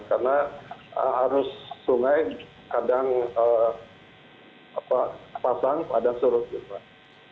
karena arus sungai kadang pasang kadang surut